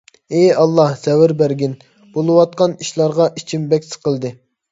ئى ئاللاھ، سەۋر بەرگىن. بولۇۋاتقان ئىشلارغا ئىچىم بەك سىقىلدى.